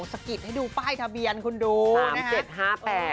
สะกิดให้ดูป้ายทะเบียนคุณดูนะคะ